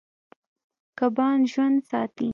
کبان ژوند ساتي.